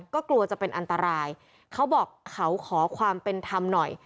ก็กลัวจะเป็นอันตรายเขาบอกเขาขอความเป็นธรรมหน่อย